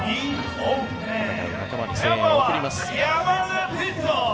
戦う仲間に声援を送ります。